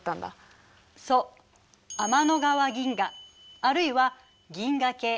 そう天の川銀河あるいは銀河系。